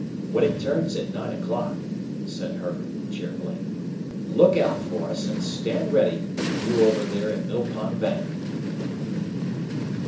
"When it turns at nine o'clock," said Herbert, cheerfully, "look out for us, and stand ready, you over there at Mill Pond Bank!"